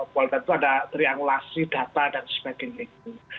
puala data itu ada triangulasi data dan sebagainya gitu